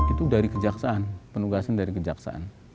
itu dari kejaksaan penugasan dari kejaksaan